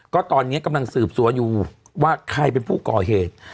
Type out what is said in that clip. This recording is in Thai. ก็ตอนนี้กำลังสืบสวนอยู่ว่าใครเป็นผู้ก่อเหตุ